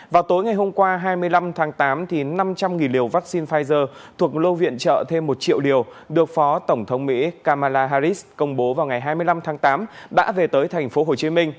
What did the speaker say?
vào tối ngày hôm qua hai mươi năm tháng tám năm trăm linh liều vaccine pfizer thuộc lô viện trợ thêm một triệu liều được phó tổng thống mỹ kamala harris công bố vào ngày hai mươi năm tháng tám đã về tới tp hcm